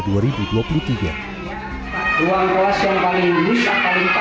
ruang kelas yang paling rusak paling parah itu ada tiga